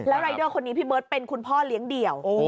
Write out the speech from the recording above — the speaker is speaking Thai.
รายเดอร์คนนี้พี่เบิร์ตเป็นคุณพ่อเลี้ยงเดี่ยว